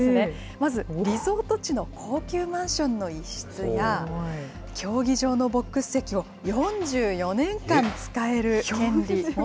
まずリゾート地の高級マンションの一室や、競技場のボックス席を４４年間使える権利。